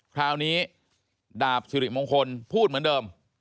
คราวนี้ดาบสิริมงคลพูดเหมือนเดิม